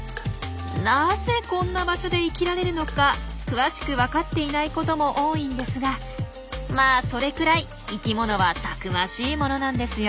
なぜこんな場所で生きられるのか詳しくわかっていないことも多いんですがまあそれくらい生きものはたくましいものなんですよ。